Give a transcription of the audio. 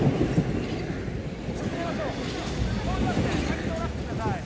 進めましょう通りますね先通らせてください